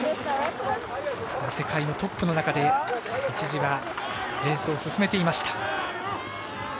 世界のトップの中で一時は、レースを進めていました。